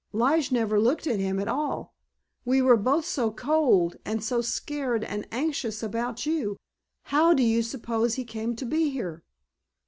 Lige never looked at him at all, we were both so cold, and so scared and anxious about you. How do you suppose he came to be here?"